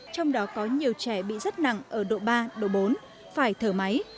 trong đó có nhiều trẻ bị rất nặng ở độ ba độ bốn phải thở máy